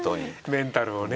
メンタルをね。